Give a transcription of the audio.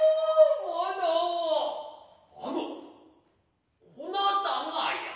あのそなたがや。